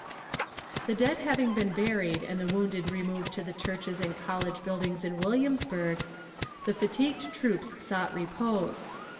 The dead having been buried and the wounded removed to the churches and college buildings in Williamsburg, the fatigued troops sought repose.